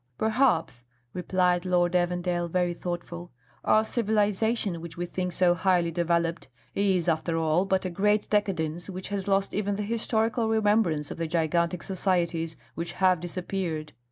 "Perhaps," replied Lord Evandale, very thoughtful, "our civilisation, which we think so highly developed, is, after all, but a great decadence which has lost even the historical remembrance of the gigantic societies which have disappeared.